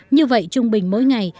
như vậy trung bình mỗi ngày